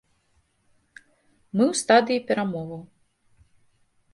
Мы ў стадыі перамоваў.